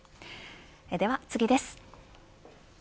では、次です。